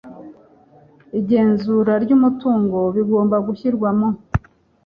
igenzura ry umutungo bigomba gushyirwa mu